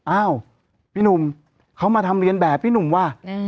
อ้าวพี่หนุ่มเขามาทำเรียนแบบพี่หนุ่มว่ะ